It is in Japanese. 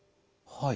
はい。